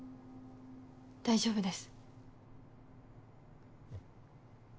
大丈夫です。